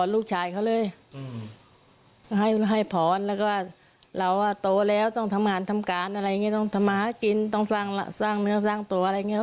แล้วก็เราโตแล้วต้องทำงานทำการอะไรอย่างเงี้ยต้องทำมากินต้องสร้างเนื้อสร้างตัวอะไรอย่างเงี้ย